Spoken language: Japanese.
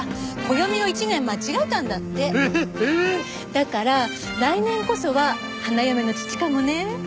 だから来年こそは花嫁の父かもね。